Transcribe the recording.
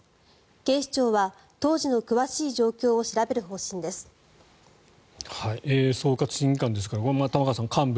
警視庁は当時の詳しい状況を調べる方針です。